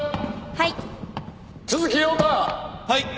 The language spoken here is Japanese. はい。